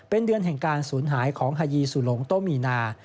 เป็นเดือนแห่งการสูญหายของฮายีสุหลงโตมีนา